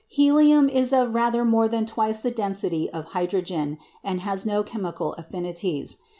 Helium is of rather more than twice the density of hydrogen, and has no chemical affinities.